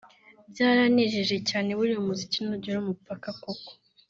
byaranejeje cyane buriya umuziki ntugira umupaka koko